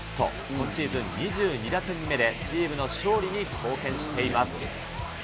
今シーズン２２打点目で、チームの勝利に貢献しています。